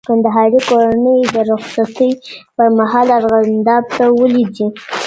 کندهاري کورنۍ د رخصتۍ پر مهال ارغنداب ته ولي ځي؟